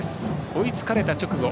追いつかれた直後